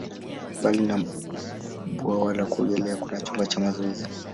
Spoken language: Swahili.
Mbali na bwawa la kuogelea, kuna chumba cha mazoezi.